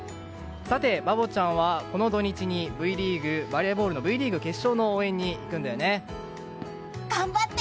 さて、バボちゃんはこの土日にバレーボールＶリーグ決勝の応援に行くんだよね。